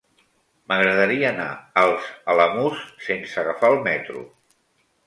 M'agradaria anar als Alamús sense agafar el metro.